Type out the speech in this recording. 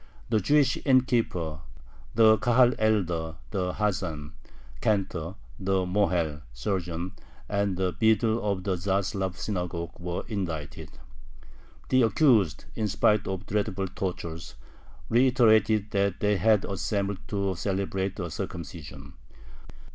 The Jewish innkeeper, the Kahal elder, the hazan (cantor), the mohel (surgeon), and the beadle of the Zaslav synagogue, were indicted. The accused, in spite of dreadful tortures, reiterated that they had assembled to celebrate a circumcision.